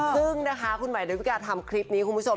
ซึ่งนะคะคุณหมายดาวิกาทำคลิปนี้คุณผู้ชม